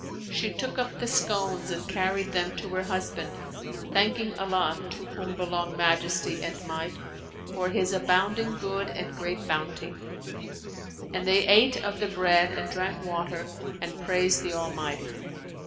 She took up the scones and carried them to her husband, thanking Allah (to whom belong Majesty and Might!) for His abounding good and great bounty; and they ate of the bread and drank water and praised the Almighty.